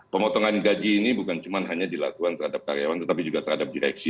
pemotongan gaji ini bukan cuma hanya dilakukan terhadap karyawan tetapi juga terhadap direksi